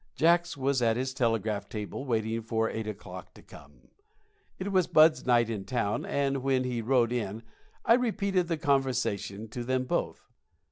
Jacks was at his telegraph table waiting for eight o'clock to come. It was Bud's night in town, and when he rode in I repeated the conversation to them both.